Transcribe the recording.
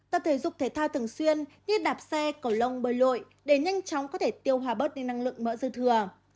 tập thể dục thể thao thường xuyên như đạp xe cầu lông bơi lội để nhanh chóng có thể tiêu hòa bớt đi năng lượng mỡ dư thừa